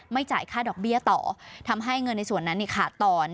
จ่ายค่าดอกเบี้ยต่อทำให้เงินในส่วนนั้นขาดตอน